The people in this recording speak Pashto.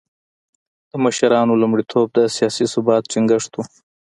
د مشرانو لومړیتوب د سیاسي ثبات ټینګښت و.